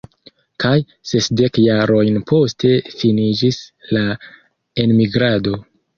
Kaj sesdek jarojn poste finiĝis la enmigrado.